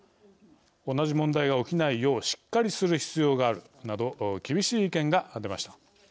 同じ問題が起きないようしっかりする必要があるなど厳しい意見が出ました。